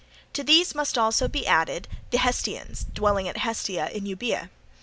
To these must be also added the Hestiaeans dwelling at Hestiaea in Euboea.